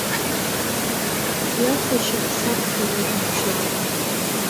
Хҩахашьак сақәшәароуп мчыла.